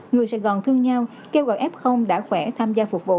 người sài gòn thương nhau kêu gọi f đã khỏe tham gia phục vụ